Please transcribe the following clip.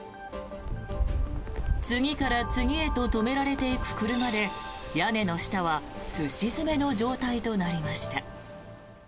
次から次へと止められていく車で屋根の下はすし詰めの状態となりました。